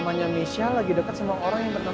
lama nya misha lagi deket sama orang yang bernama roy